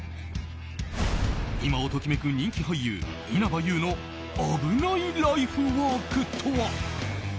今を時めく人気俳優・稲葉友の危ないライフワークとは。